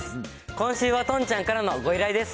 今週はとんちゃんからのご依頼です。